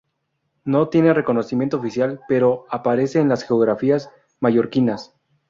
No tiene reconocimiento oficial, pero aparece en las geografías mallorquinas.